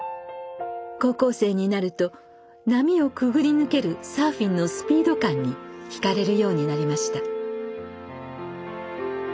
高校生になると波をくぐり抜けるサーフィンのスピード感にひかれるようになりました。